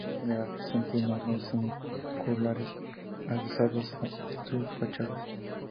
Éstas, en general, presentan hornos semicirculares adosados a sus fachadas.